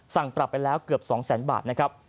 สั่งปรับไปแล้วเกือบ๒แสนบาทนะครับ